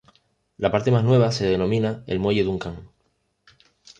La parte más nueva se denomina el muelle Duncan.